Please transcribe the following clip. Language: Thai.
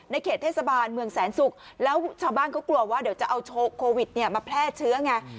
เขตเทศบาลเมืองแสนศุกร์แล้วชาวบ้านเขากลัวว่าเดี๋ยวจะเอาโชว์โควิดเนี่ยมาแพร่เชื้อไง